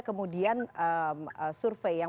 kemudian survei yang